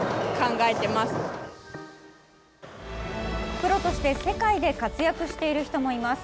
プロとして世界で活躍している人もいます。